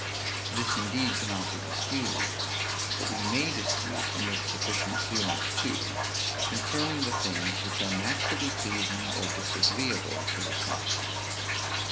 This indeed cannot be disputed; but we may dispute, and with sufficient clearness too, concerning the things which are naturally pleasing or disagreeable to the sense.